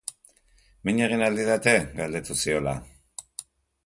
Mina egin al diate? Galdetu ziola.